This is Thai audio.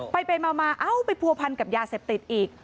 ไปมาไปภัวพันธ์กับยาเสพติดอีก